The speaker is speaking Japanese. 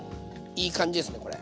いい感じですねこれ。